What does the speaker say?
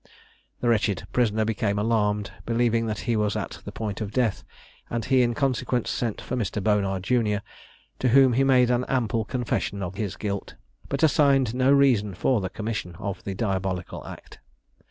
The wretched prisoner became alarmed, believing that he was at the point of death; and he, in consequence, sent for Mr. Bonar, junior, to whom he made an ample confession of his guilt, but assigned no reason for the commission of the diabolical act.